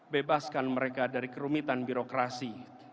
bebaskan mereka dari kerumitan birokrasi